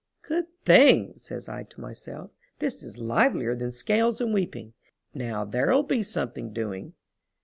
"Good thing!" says I to myself. "This is livelier than scales and weeping. Now there'll be something doing."